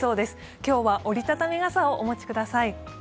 今日は折り畳み傘をお持ちください。